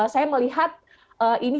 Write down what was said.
saya melihat ini